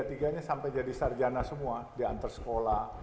nganterin istri saya sampai jadi sarjana semua di antar sekolah